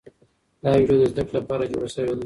دا ویډیو د زده کړې لپاره جوړه شوې ده.